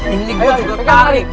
ini gue sudah tarik